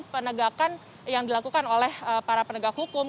penegakan yang dilakukan oleh para penegak hukum